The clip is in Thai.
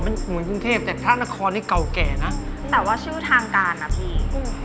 มันเหมือนกรุงเทพแต่พระนครนี่เก่าแก่นะแต่ว่าชื่อทางการนะพี่อืม